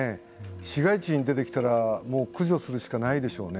市街地に出てきたら駆除するしかないでしょうね。